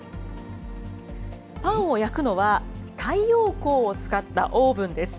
パンを焼くのは太陽光を使ったオーブンです。